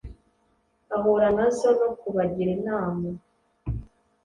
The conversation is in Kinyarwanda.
ahura nazo no ku bagira inama